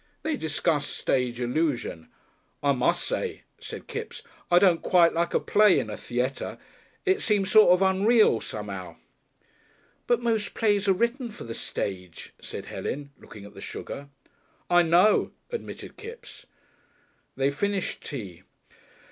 They discussed stage illusion. "I mus' say," said Kipps, "I don't quite like a play in a theayter. It seems sort of unreal, some'ow." "But most plays are written for the stage," said Helen, looking at the sugar. "I know," admitted Kipps. They finished tea.